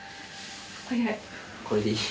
これでいい？